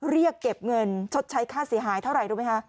เรียกเก็บเงินชดใช้ค่าเสียหายเท่าไหร่รู้ไหมคะ